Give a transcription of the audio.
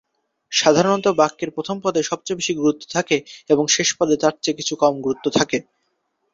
সাধারণত বাক্যের প্রথম পদে সবচেয়ে বেশি গুরুত্ব থাকে, এবং শেষ পদে তার চেয়ে কিছু কম গুরুত্ব থাকে।